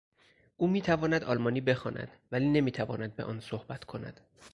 او میتواند آلمانی بخواند ولی نمیتواند به آن صحبت کند.